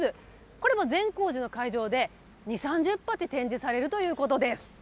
これも善光寺の会場で、２、３０鉢展示されるということです。